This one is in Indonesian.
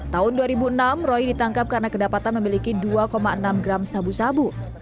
tahun dua ribu enam roy ditangkap karena kedapatan memiliki dua enam gram sabu sabu